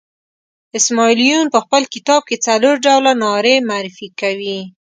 اسماعیل یون په خپل کتاب کې څلور ډوله نارې معرفي کوي.